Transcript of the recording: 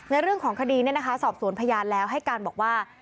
เรื่องของคดีสอบสวนพยานแล้วให้การบอกว่า